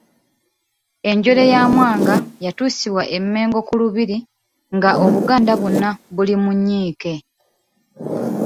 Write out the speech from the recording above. Enjole ya Mwanga Yatuusibwa e Mmengo ku Lubiri nga Obuganda bwonna buli mu nnyiike.